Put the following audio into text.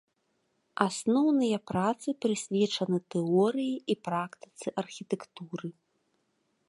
Асноўныя працы прысвечаны тэорыі і практыцы архітэктуры.